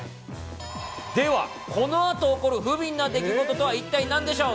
では、このあと起こる不憫な出来事とは一体なんでしょう。